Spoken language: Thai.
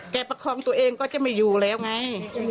ประคองตัวเองก็จะไม่อยู่แล้วไง